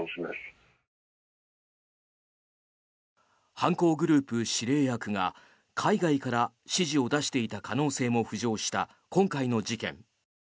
犯行グループ指令役が海外から指示を出していた可能性も浮上した今回の事件。